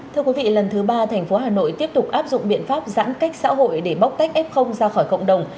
thưa quý vị lần thứ ba thành phố hà nội tiếp tục áp dụng biện pháp giãn cách xã hội để bóc tách f ra khỏi cộng đồng